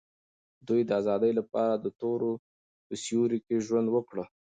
دوی د آزادۍ لپاره د تورو په سیوري کې ژوند وکړ.